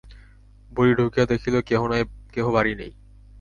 বুড়ি ঢুকিয়া দেখিল কেহ বাড়ি নাই।